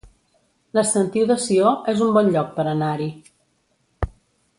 La Sentiu de Sió es un bon lloc per anar-hi